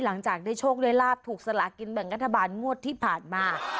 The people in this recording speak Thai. หลังจากได้โชคได้ลาบถูกสลากินแบ่งรัฐบาลงวดที่ผ่านมา